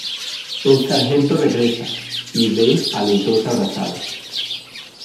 El sargento regresa, y ve a los dos abrazados.